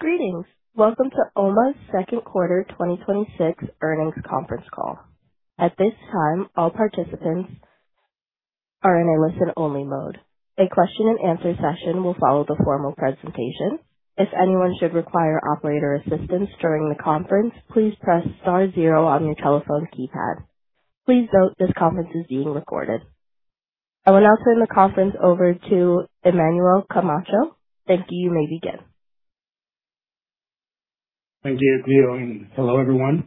Greetings. Welcome to OMA's second quarter 2026 earnings conference call. At this time, all participants are in a listen-only mode. A question and answer session will follow the formal presentation. If anyone should require operator assistance during the conference, please press star zero on your telephone keypad. Please note this conference is being recorded. I will now turn the conference over to Emmanuel Camacho. Thank you. You may begin. Thank you, Cleo. Hello, everyone.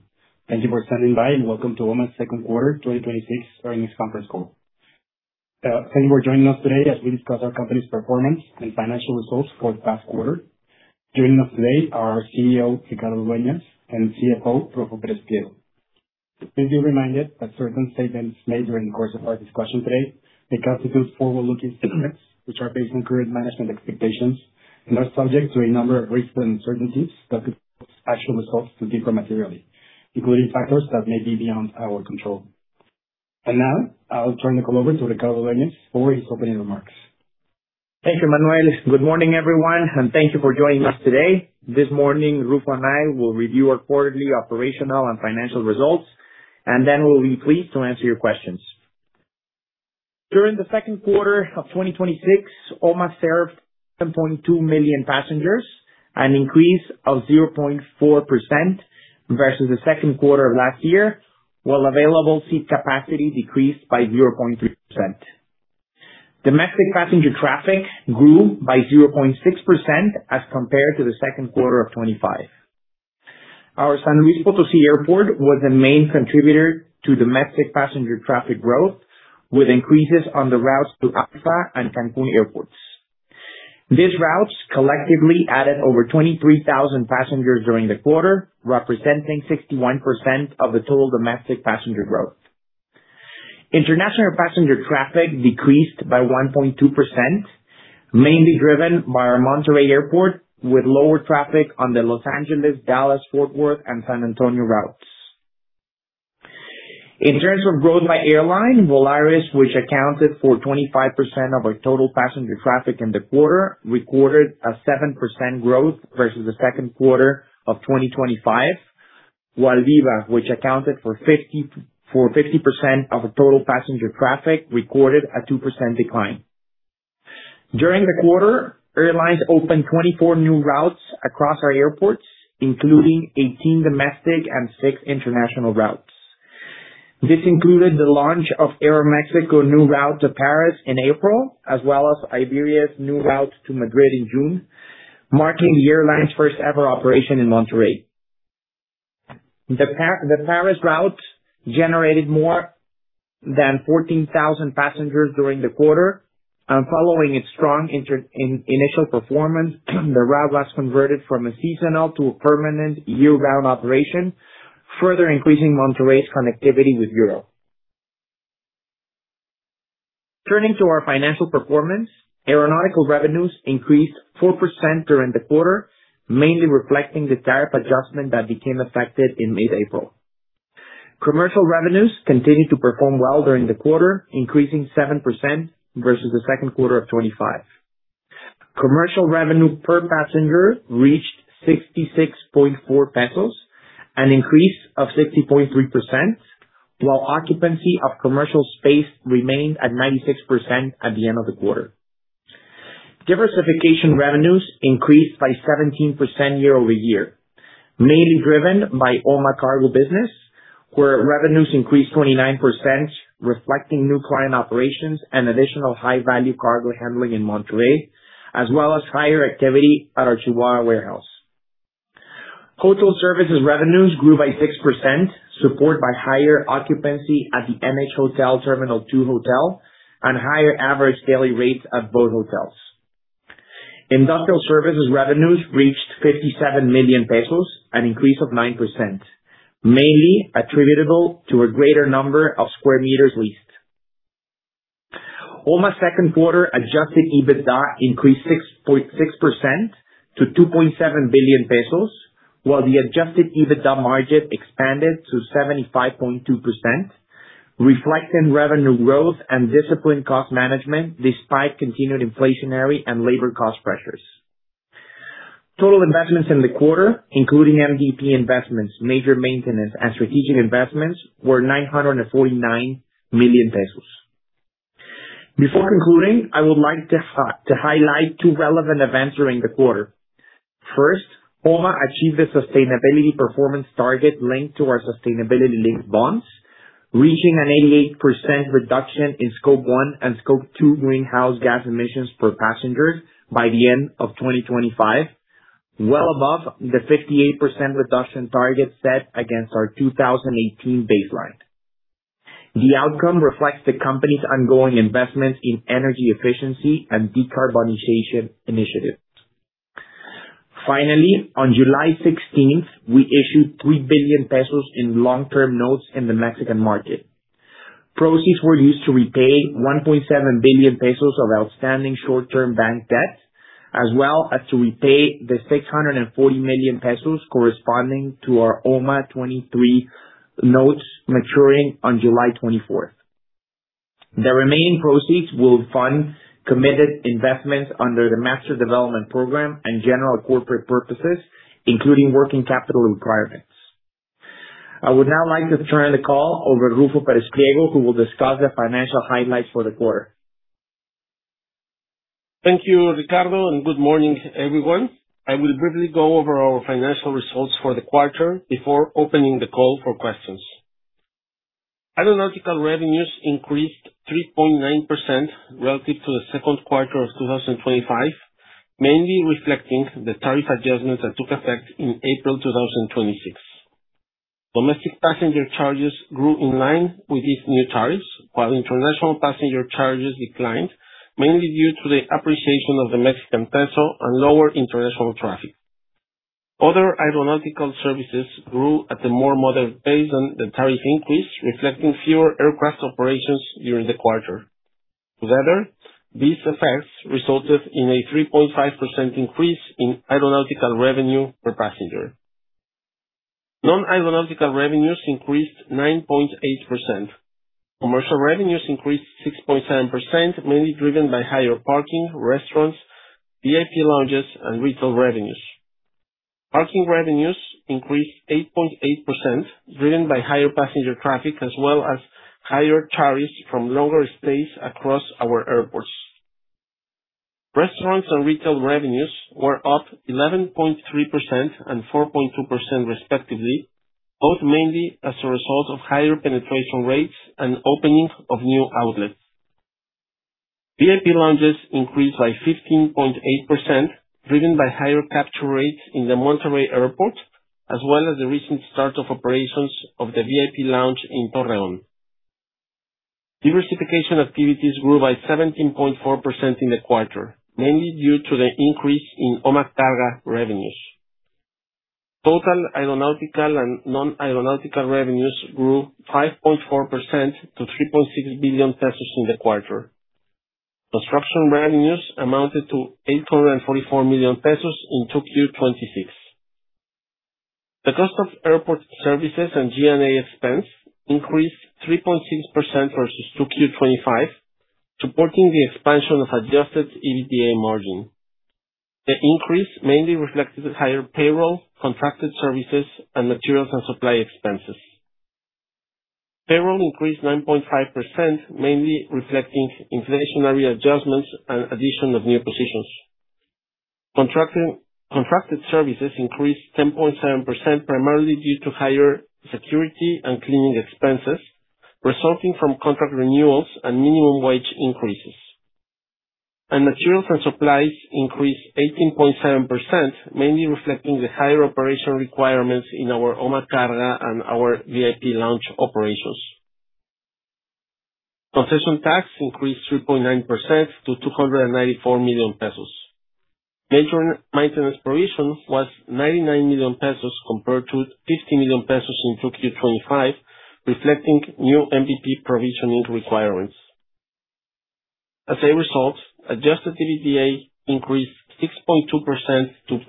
Thank you for standing by, welcome to OMA's second quarter 2026 earnings conference call. Thank you for joining us today as we discuss our company's performance and financial results for the past quarter. Joining us today are CEO, Ricardo Dueñas, and CFO, Ruffo Pérez Pliego. Please be reminded that certain statements made during the course of our discussion today may constitute forward-looking statements, which are based on current management expectations and are subject to a number of risks and uncertainties that could cause actual results to differ materially, including factors that may be beyond our control. Now, I will turn the call over to Ricardo Dueñas for his opening remarks. Thank you, Emmanuel. Good morning, everyone. Thank you for joining us today. This morning, Ruffo and I will review our quarterly operational and financial results. Then we'll be pleased to answer your questions. During the second quarter of 2026, OMA served 7.2 million passengers, an increase of 0.4% versus the second quarter of last year, while available seat capacity decreased by 0.3%. Domestic passenger traffic grew by 0.6% as compared to the second quarter of 2025. Our San Luis Potosí International Airport was a main contributor to domestic passenger traffic growth, with increases on the routes to Acapulco and Cancún airports. These routes collectively added over 23,000 passengers during the quarter, representing 61% of the total domestic passenger growth. International passenger traffic decreased by 1.2%, mainly driven by our Monterrey Airport, with lower traffic on the Los Angeles, Dallas, Fort Worth, and San Antonio routes. In terms of growth by airline, Volaris, which accounted for 25% of our total passenger traffic in the quarter, recorded a 7% growth versus the second quarter of 2025, while Viva, which accounted for 50% of the total passenger traffic, recorded a 2% decline. During the quarter, airlines opened 24 new routes across our airports, including 18 domestic and six international routes. This included the launch of Aeroméxico new route to Paris in April, as well as Iberia's new route to Madrid in June, marking the airline's first-ever operation in Monterrey. The Paris route generated more than 14,000 passengers during the quarter. Following its strong initial performance, the route was converted from a seasonal to a permanent year-round operation, further increasing Monterrey's connectivity with Europe. Turning to our financial performance, aeronautical revenues increased 4% during the quarter, mainly reflecting the tariff adjustment that became effective in mid-April. Commercial revenues continued to perform well during the quarter, increasing 7% versus the second quarter of 2025. Commercial revenue per passenger reached 66.4 pesos, an increase of 60.3%, while occupancy of commercial space remained at 96% at the end of the quarter. Diversification revenues increased by 17% year-over-year, mainly driven by OMA Carga business, where revenues increased 29%, reflecting new client operations and additional high-value cargo handling in Monterrey, as well as higher activity at our Chihuahua warehouse. Hotel services revenues grew by 6%, supported by higher occupancy at the NH Collection Terminal 2 hotel and higher average daily rates at both hotels. Industrial services revenues reached 57 million pesos, an increase of 9%, mainly attributable to a greater number of square meters leased. OMA's second quarter adjusted EBITDA increased 6.6% to 2.7 billion pesos, while the adjusted EBITDA margin expanded to 75.2%, reflecting revenue growth and disciplined cost management despite continued inflationary and labor cost pressures. Total investments in the quarter, including MDP investments, major maintenance, and strategic investments, were 949 million pesos. Before concluding, I would like to highlight two relevant events during the quarter. First, OMA achieved a sustainability performance target linked to our sustainability-linked bonds, reaching an 88% reduction in Scope 1 and Scope 2 greenhouse gas emissions per passengers by the end of 2025, well above the 58% reduction target set against our 2018 baseline. Finally, on July 16th, we issued 3 billion pesos in long-term notes in the Mexican market. Proceeds were used to repay 1.7 billion pesos of outstanding short-term bank debt, as well as to repay the 640 million pesos corresponding to our OMA 2023 notes maturing on July 24th. The remaining proceeds will fund committed investments under the Master Development Program and general corporate purposes, including working capital requirements. I would now like to turn the call over to Ruffo Pérez Pliego, who will discuss the financial highlights for the quarter. Thank you, Ricardo, and good morning, everyone. I will briefly go over our financial results for the quarter before opening the call for questions. Aeronautical revenues increased 3.9% relative to the second quarter of 2025, mainly reflecting the tariff adjustments that took effect in April 2026. Domestic passenger charges grew in line with these new tariffs, while international passenger charges declined, mainly due to the appreciation of the Mexican peso and lower international traffic. Other aeronautical services grew at a more moderate pace than the tariff increase, reflecting fewer aircraft operations during the quarter. Together, these effects resulted in a 3.5% increase in aeronautical revenue per passenger. Non-aeronautical revenues increased 9.8%. Commercial revenues increased 6.7%, mainly driven by higher parking, restaurants, VIP lounges, and retail revenues. Parking revenues increased 8.8%, driven by higher passenger traffic as well as higher tariffs from longer stays across our airports. Restaurants and retail revenues were up 11.3% and 4.2% respectively, both mainly as a result of higher penetration rates and opening of new outlets. VIP lounges increased by 15.8%, driven by higher capture rates in the Monterrey Airport, as well as the recent start of operations of the VIP lounge in Torreón. Diversification activities grew by 17.4% in the quarter, mainly due to the increase in OMA Carga revenues. Total aeronautical and non-aeronautical revenues grew 5.4% to 3.6 billion pesos in the quarter. Construction revenues amounted to 844 million pesos in 2Q 2026. The cost of airport services and G&A expense increased 3.6% versus 2Q 2025, supporting the expansion of adjusted EBITDA margin. The increase mainly reflected higher payroll, contracted services, and materials and supply expenses. Payroll increased 9.5%, mainly reflecting inflationary adjustments and addition of new positions. Contracted services increased 10.7%, primarily due to higher security and cleaning expenses resulting from contract renewals and minimum wage increases. Materials and supplies increased 18.7%, mainly reflecting the higher operation requirements in our OMA Carga and our VIP lounge operations. Concession tax increased 3.9% to 294 million pesos. Major maintenance provision was 99 million pesos compared to 50 million pesos in 2Q 2025, reflecting new MDP provisioning requirements. As a result, adjusted EBITDA increased 6.2% to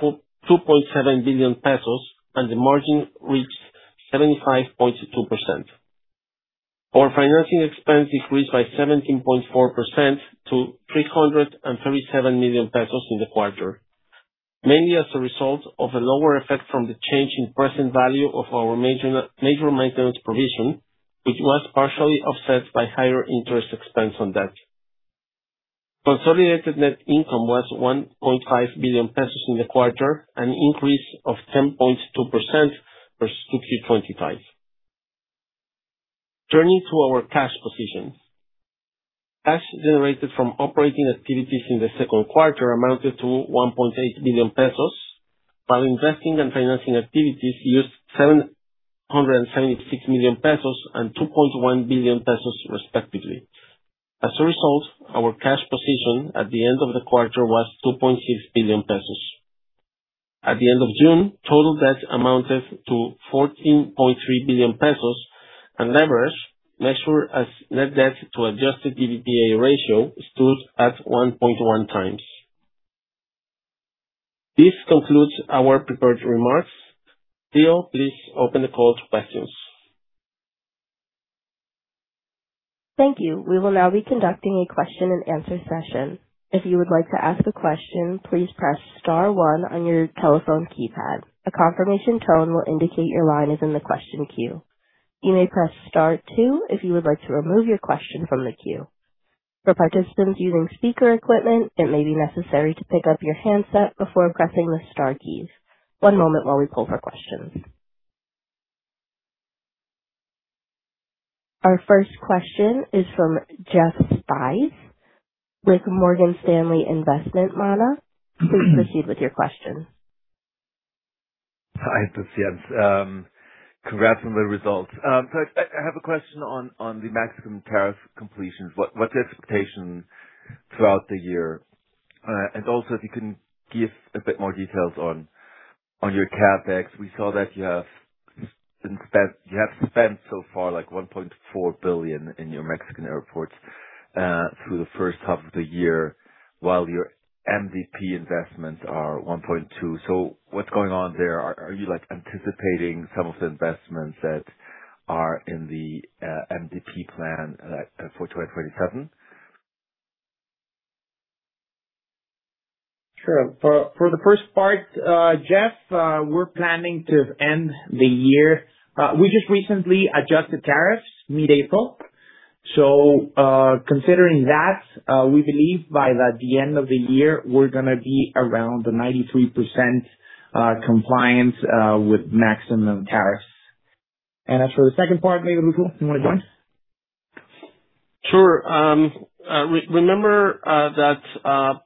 2.7 billion pesos, and the margin reached 75.2%. Our financing expense decreased by 17.4% to 337 million pesos in the quarter, mainly as a result of a lower effect from the change in present value of our major maintenance provision, which was partially offset by higher interest expense on debt. Consolidated net income was 1.5 billion pesos in the quarter, an increase of 10.2% versus 2Q 2025. Turning to our cash position. Cash generated from operating activities in the second quarter amounted to 1.8 billion pesos, while investing and financing activities used 776 million pesos and 2.1 billion pesos respectively. As a result, our cash position at the end of the quarter was 2.6 billion pesos. At the end of June, total debt amounted to 14.3 billion pesos, and leverage, measured as net debt to adjusted EBITDA ratio, stood at 1.1x. This concludes our prepared remarks. Cleo, please open the call to questions. Thank you. We will now be conducting a question and answer session. If you would like to ask a question, please press star one on your telephone keypad. A confirmation tone will indicate your line is in the question queue. You may press star two if you would like to remove your question from the queue. For participants using speaker equipment, it may be necessary to pick up your handset before pressing the star keys. One moment while we pull for questions. Our first question is from Jens Spiess with Morgan Stanley Investment Management. Please proceed with your question. Hi. Congrats on the results. I have a question on the maximum tariff completions. What's the expectation throughout the year? Also, if you can give a bit more details on your CapEx. We saw that you have spent so far, like, 1.4 billion in your Mexican airports through the first half of the year. While your MDP investments are 1.2. What's going on there? Are you anticipating some of the investments that are in the MDP plan for 2027? Sure. For the first part, Jens, we're planning to end the year. We just recently adjusted tariffs mid-April. Considering that, we believe by the end of the year, we're going to be around the 93% compliance with maximum tariffs. As for the second part, maybe, Ruffo, you want to join? Sure. Remember that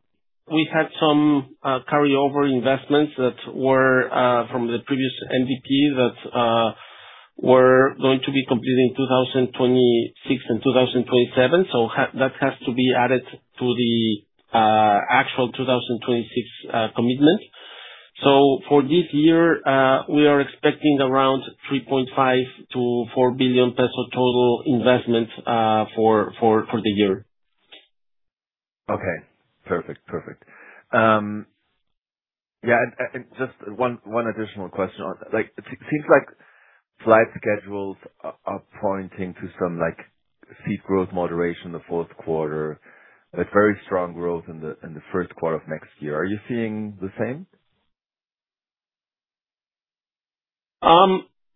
we had some carryover investments from the previous MDP that were going to be completed in 2026 and 2027. That has to be added to the actual 2026 commitment. For this year, we are expecting around 3.5 billion-4 billion peso total investments for the year. Okay. Perfect. Yeah, just one additional question on that. It seems like flight schedules are pointing to some seat growth moderation the fourth quarter, a very strong growth in the first quarter of next year. Are you seeing the same?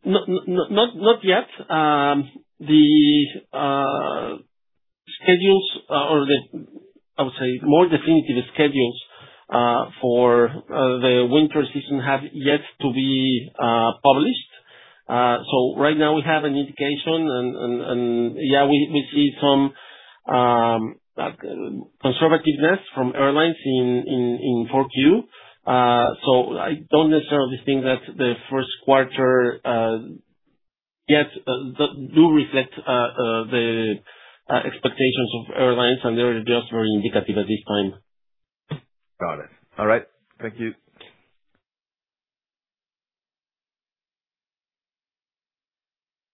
Not yet. The schedules, or I would say more definitive schedules, for the winter season have yet to be published. Right now we have an indication and, yeah, we see some conservativeness from airlines in Q4. I don't necessarily think that the first quarter yet do reflect the expectations of airlines, and they're just very indicative at this time. Got it. All right. Thank you.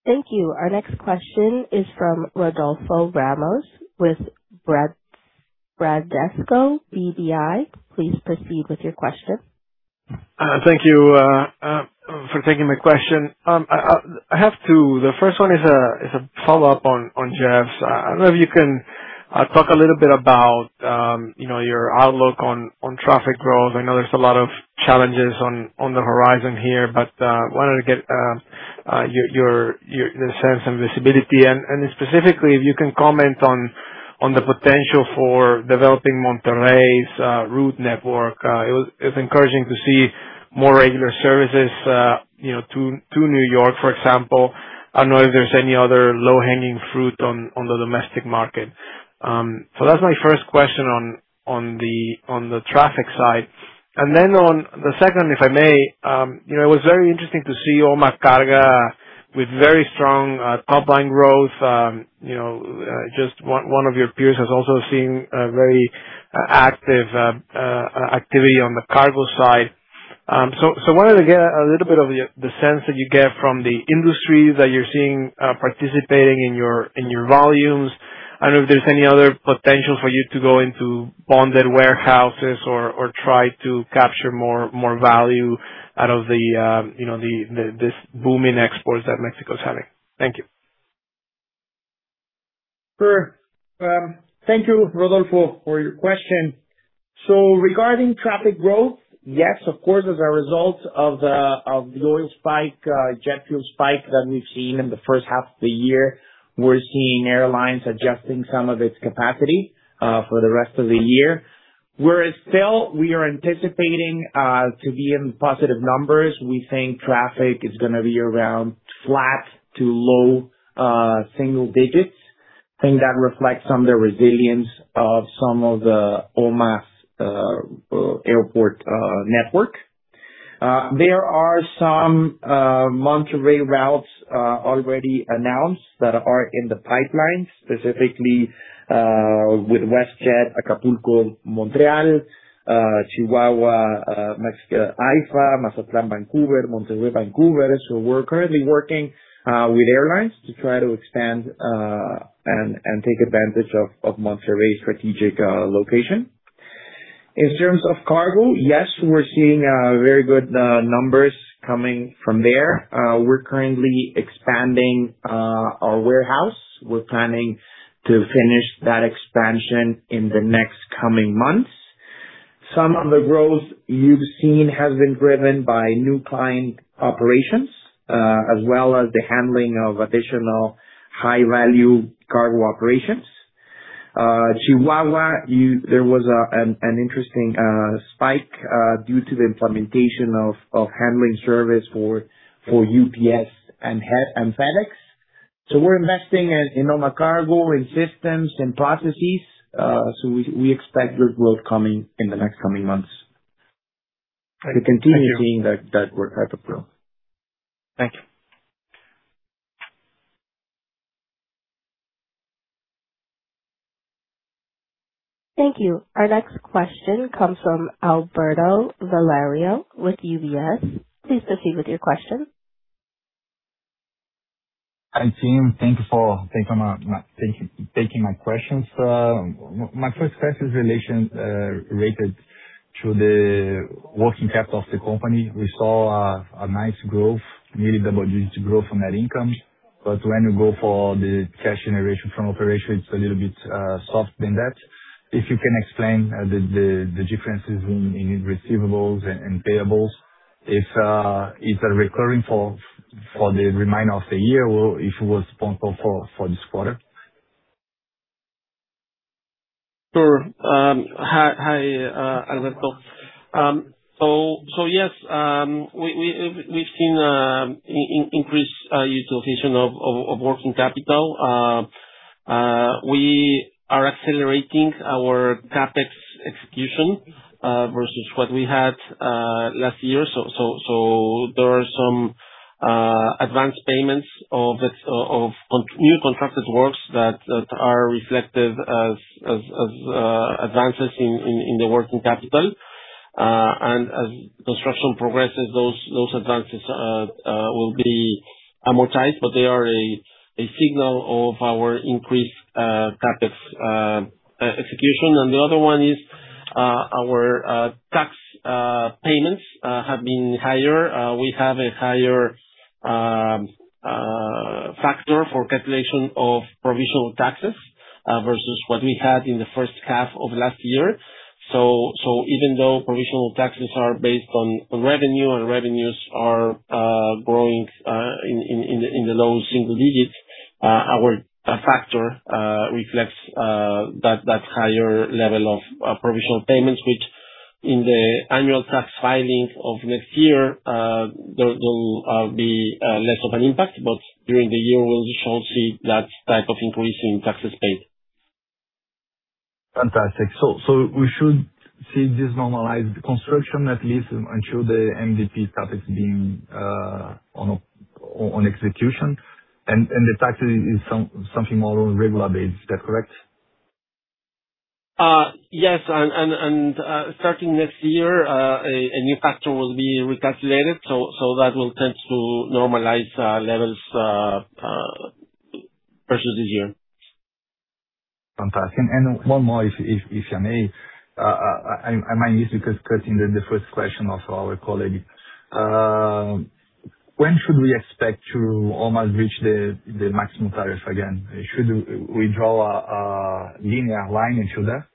Thank you. Our next question is from Rodolfo Ramos with Bradesco BBI. Please proceed with your question. Thank you for taking my question. I have two. The first one is a follow-up on Jens. I do not know if you can talk a little bit about your outlook on traffic growth. I know there is a lot of challenges on the horizon here, but wanted to get your sense of visibility and specifically if you can comment on the potential for developing Monterrey's route network. It was encouraging to see more regular services to New York, for example. I do not know if there is any other low-hanging fruit on the domestic market. That is my first question on the traffic side. On the second, if I may. It was very interesting to see OMA Carga with very strong upline growth. Just one of your peers has also seen a very active activity on the cargo side. Wanted to get a little bit of the sense that you get from the industry that you are seeing participating in your volumes. I do not know if there is any other potential for you to go into bonded warehouses or try to capture more value out of this boom in exports that Mexico is having. Thank you. Sure. Thank you, Rodolfo, for your question. Regarding traffic growth, yes, of course, as a result of the oil spike, jet fuel spike that we have seen in the first half of the year, we are seeing airlines adjusting some of its capacity for the rest of the year. Whereas still, we are anticipating to be in positive numbers. We think traffic is going to be around flat to low single digits. I think that reflects on the resilience of some of the OMA's airport network. There are some Monterrey routes already announced that are in the pipeline, specifically, with WestJet, Acapulco, Montreal, Chihuahua, Mexico AIFA, Mazatlán, Vancouver, Monterrey, Vancouver. We are currently working with airlines to try to expand and take advantage of Monterrey's strategic location. In terms of cargo, yes, we are seeing very good numbers coming from there. We are currently expanding our warehouse. We are planning to finish that expansion in the next coming months. Some of the growth you have seen has been driven by new client operations, as well as the handling of additional high-value cargo operations. Chihuahua, there was an interesting spike due to the implementation of handling service for UPS and FedEx. We are investing in OMA Carga, in systems and processes. We expect good growth in the next coming months. Thank you. We continue seeing that growth type of growth. Thank you. Thank you. Our next question comes from Alberto Valerio with UBS. Please proceed with your question. Hi team. Thanks for taking my questions. My first question is related to the working capital of the company. We saw a nice growth, nearly double-digit growth from net income. When you go for the cash generation from operations, it's a little bit soft than that. If you can explain the differences in receivables and payables, if they're recurring for the remainder of the year, or if it was spot on for this quarter. Sure. Hi, Alberto. Yes, we've seen increased utilization of working capital. We are accelerating our CapEx execution versus what we had last year. There are some advance payments of new contracted works that are reflected as advances in the working capital. As construction progresses, those advances will be amortized. They are a signal of our increased CapEx execution. The other one is our tax payments have been higher. We have a higher factor for calculation of provisional taxes versus what we had in the first half of last year. Even though provisional taxes are based on revenue, and revenues are growing in the low single digits, our factor reflects that higher level of provisional payments, which in the annual tax filings of next year, there will be less of an impact. During the year, we shall see that type of increase in taxes paid. Fantastic. We should see this normalized construction, at least until the MDP CapEx being on execution. The tax is something more on regular basis. Is that correct? Yes. Starting next year, a new factor will be recalculated. That will tend to normalize levels versus this year. Fantastic. One more, if I may. I might need to cut in the first question of our colleague. When should we expect to almost reach the maximum tariff again? Should we draw a linear line into that?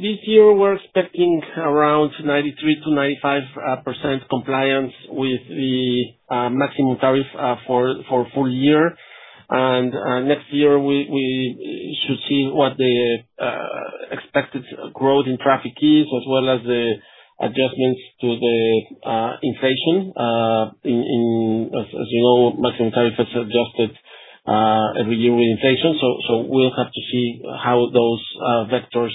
This year, we're expecting around 93%-95% compliance with the maximum tariff for full year. Next year, we should see what the expected growth in traffic is, as well as the adjustments to the inflation. As you know, maximum tariff is adjusted every year with inflation. We'll have to see how those vectors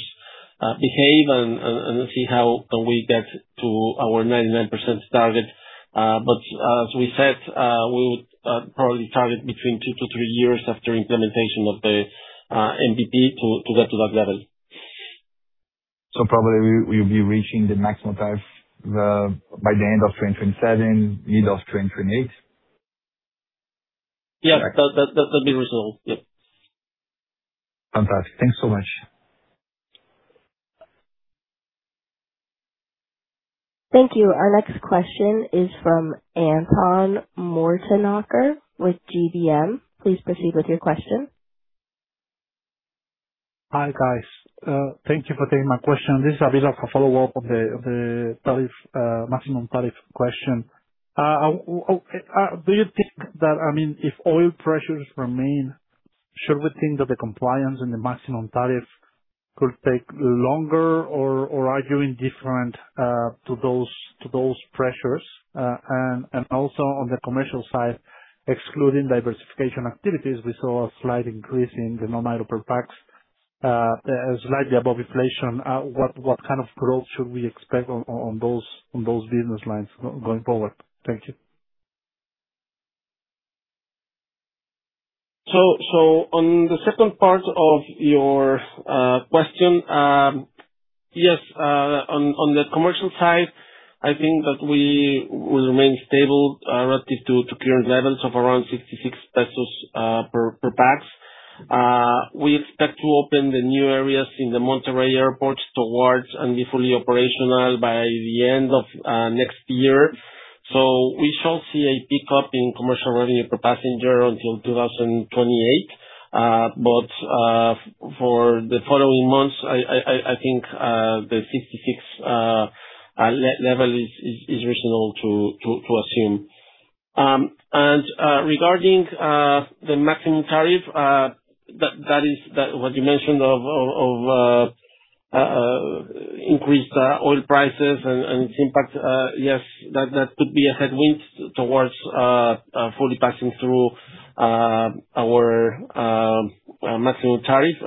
behave and see how we get to our 99% target. As we said, we would probably target between two to three years after implementation of the MDP to get to that level. Probably we'll be reaching the maximum tariff by the end of 2027, middle of 2028? Yes. That would be reasonable. Yep. Fantastic. Thanks so much. Thank you. Our next question is from Anton Mortenkotter with GBM. Please proceed with your question. Hi, guys. Thank you for taking my question. This is a bit of a follow-up on the maximum tariff question. Do you think that, if oil pressures remain, should we think that the compliance and the maximum tariff could take longer, or are you indifferent to those pressures? Also on the commercial side, excluding diversification activities, we saw a slight increase in the nominal per pax, slightly above inflation. What kind of growth should we expect on those business lines going forward? Thank you. On the second part of your question, yes, on the commercial side, I think that we will remain stable relative to current levels of around 66 pesos per pax. We expect to open the new areas in the Monterrey Airport towards and be fully operational by the end of next year. We shall see a pickup in commercial revenue per passenger until 2028. For the following months, I think the 66 level is reasonable to assume. Regarding the maximum tariff, what you mentioned of increased oil prices and its impact, yes, that could be a headwind towards fully passing through our maximum tariff.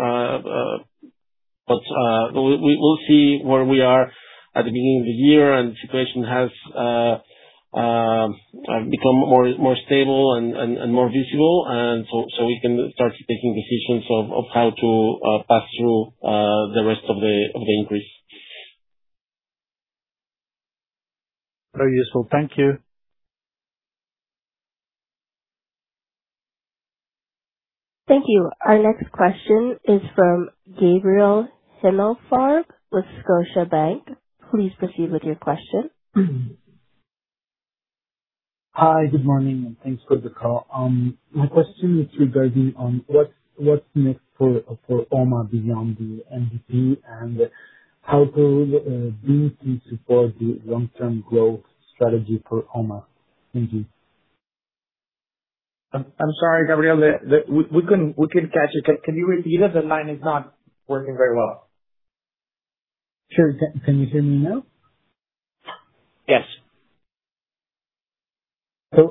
We'll see where we are at the beginning of the year and the situation has become more stable and more visible. We can start taking decisions of how to pass through the rest of the increase. Very useful. Thank you. Thank you. Our next question is from Gabriel Himelfarb with Scotiabank. Please proceed with your question. Good morning. Thanks for the call. My question is regarding what's next for OMA beyond the MDP, and how could VINCI support the long-term growth strategy for OMA? Thank you. I'm sorry, Gabriel. We couldn't catch it. Can you repeat it? The line is not working very well. Sure. Can you hear me now? Yes. Can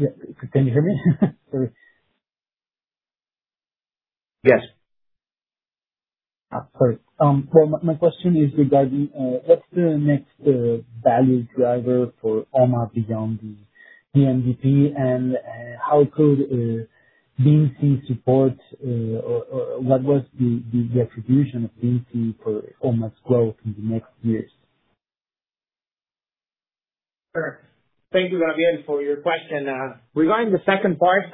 you hear me? Sorry. Yes. Sorry. My question is regarding what's the next value driver for OMA beyond the MDP, and how could VINCI support, or what was the attribution of VINCI for OMA's growth in the next years? Sure. Thank you, Gabriel, for your question. Regarding the second part,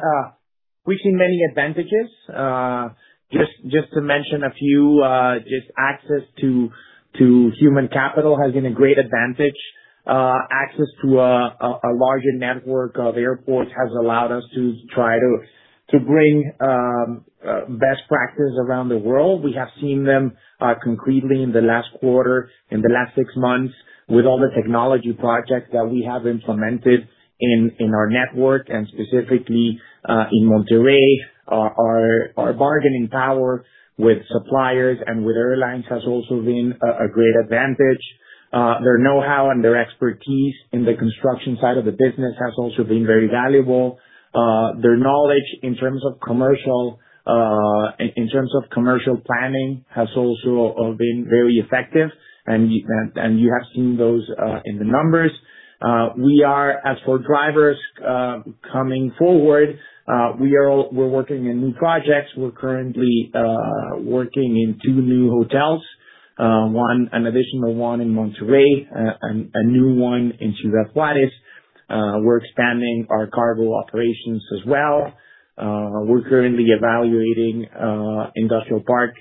we see many advantages. Just to mention a few, just access to human capital has been a great advantage. Access to a larger network of airports has allowed us to try to bring best practice around the world. We have seen them concretely in the last quarter, in the last six months, with all the technology projects that we have implemented in our network and specifically, in Monterrey. Our bargaining power with suppliers and with airlines has also been a great advantage. Their knowhow and their expertise in the construction side of the business has also been very valuable. Their knowledge in terms of commercial planning has also been very effective, and you have seen those in the numbers. As for drivers coming forward, we're working in new projects. We're currently working in two new hotels, an additional one in Monterrey, a new one in Ciudad Juárez. We're expanding our cargo operations as well. We're currently evaluating industrial park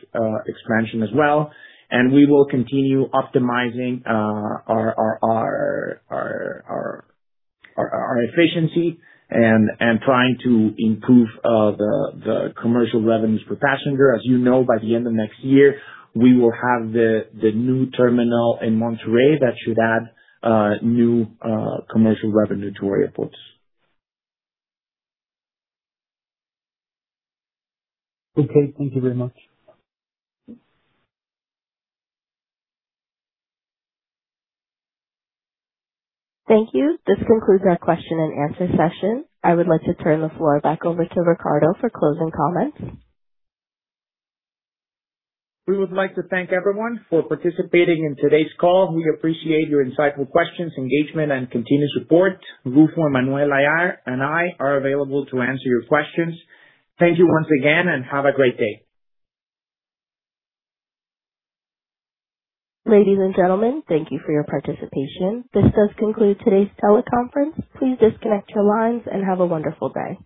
expansion as well, and we will continue optimizing our efficiency and trying to improve the commercial revenues per passenger. As you know, by the end of next year, we will have the new terminal in Monterrey that should add new commercial revenue to our airports. Okay. Thank you very much. Thank you. This concludes our question and answer session. I would like to turn the floor back over to Ricardo for closing comments. We would like to thank everyone for participating in today's call. We appreciate your insightful questions, engagement, and continued support. Ruffo, Manuel, Ayar, and I are available to answer your questions. Thank you once again, and have a great day. Ladies and gentlemen, thank you for your participation. This does conclude today's teleconference. Please disconnect your lines and have a wonderful day.